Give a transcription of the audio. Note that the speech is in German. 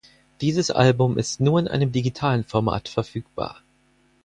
Dieses Album ist nur in einem digitalen Format verfügbar.